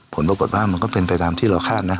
ผลปรากฏว่ามันก็เป็นไปตามที่เราคาดนะ